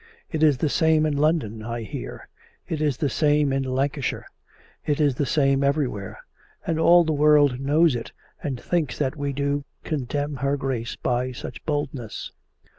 It is the same in London, I hear; it is the same in Lancashire; it is the same everywhere. And all the world knows it, and thinks that we do contemn her Grace by such boldness.